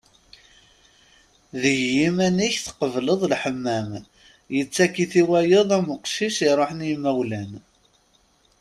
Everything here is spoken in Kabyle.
Deg yiman-ik tqebleḍ Lḥemmam, yettak-ik i wayeḍ am uqcic iruḥen i yimawlan.